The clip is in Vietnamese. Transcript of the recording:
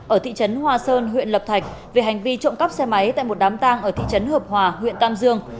ở thị trấn hòa sơn huyện lập thạch về hành vi trộm cắp xe máy tại một đám tang ở thị trấn hợp hòa huyện tam dương